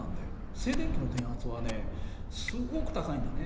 静電気の電圧はねすごく高いんだね。